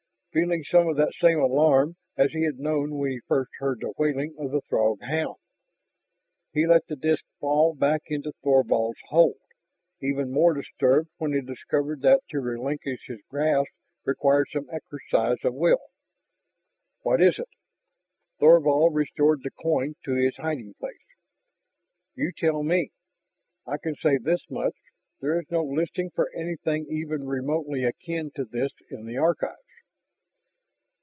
Feeling some of that same alarm as he had known when he first heard the wailing of the Throg hound, he let the disk fall back into Thorvald's hold, even more disturbed when he discovered that to relinquish his grasp required some exercise of will. "What is it?" Thorvald restored the coin to his hiding place. "You tell me. I can say this much, there is no listing for anything even remotely akin to this in the Archives."